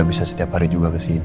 gak bisa setiap hari juga kesini ya